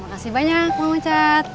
terima kasih banyak mang ocad